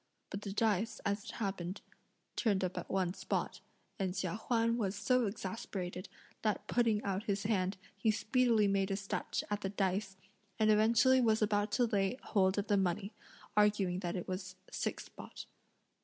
But the dice, as it happened, turned up at one spot, and Chia Huan was so exasperated that putting out his hand, he speedily made a snatch at the dice, and eventually was about to lay hold of the money, arguing that it was six spot.